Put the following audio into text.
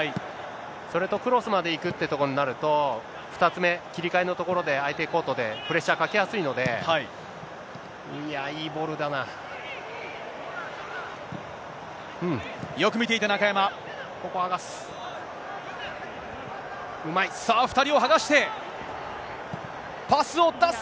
それとクロスまでいくっていうところになると、２つ目、切り替えのところで、相手コートでプレッシャーかけやすいので、いや、よく見ていた、ここ、剥がす。